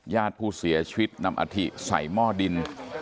ญาติผู้เสียชีวิตนำอาธิใส่หม้อดิน